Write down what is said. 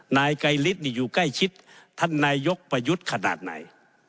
นายไกรฤทธิ์อยู่ใกล้ชิดท่านนายกประยุทธ์ขนาดไหน